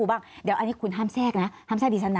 อันนี้คุณห้ามแทรกนะห้ามแทรกดิฉันนะ